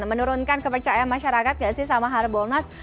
menurunkan kepercayaan masyarakat gak sih sama harbolnas